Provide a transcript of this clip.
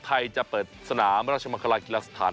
ไทยจะเปิดสนามราชมังคลากีฬาสถาน